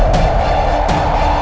aku akan menikah denganmu